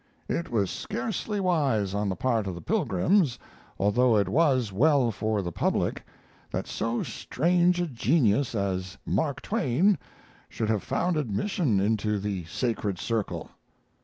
It was scarcely wise on the part of the pilgrims, although it was well for the public, that so strange a genius as Mark Twain should have found admission into the sacred circle.